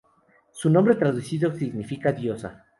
Su nombre traducido significa "Diosa".